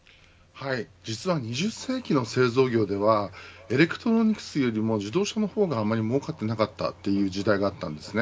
実は２０世紀の製造業ではエレクトロニクスよりも自動車の方がもうかっていなかったという時代でした。